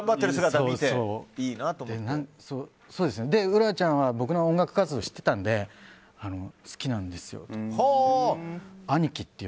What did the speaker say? ウラちゃんは僕の音楽活動を知ってたので好きなんですよって。